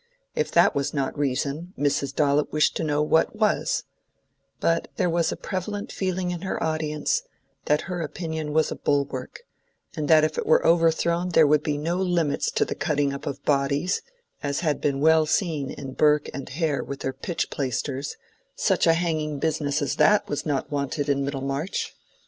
If that was not reason, Mrs. Dollop wished to know what was; but there was a prevalent feeling in her audience that her opinion was a bulwark, and that if it were overthrown there would be no limits to the cutting up of bodies, as had been well seen in Burke and Hare with their pitch plaisters—such a hanging business as that was not wanted in Middlemarch!